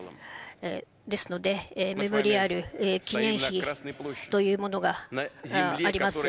ですので、ある記念碑というものがあります。